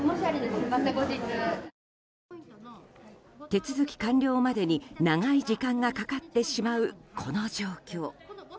手続き完了までに長い時間がかかってしまう、この状況。